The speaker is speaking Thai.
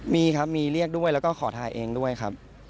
มีครับมีเรียกด้วยแล้วก็ขอถ่ายเองด้วยครับ